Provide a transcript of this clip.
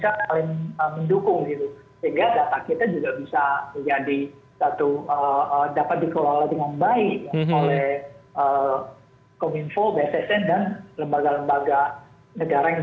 sehingga data kita juga bisa menjadi satu dapat dikelola dengan baik oleh kominfo bssn dan lembaga lembaga negara yang